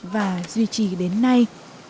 và duy trì bánh này